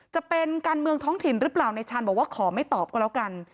จะเป็นการเมืองท้องถิ่นหรือเปล่าในชาญบอกว่าขอไม่ตอบก็แล้วกัน